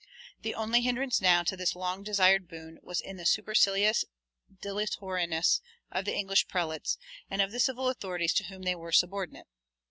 The only hindrance now to this long desired boon was in the supercilious dilatoriness of the English prelates and of the civil authorities to whom they were subordinate.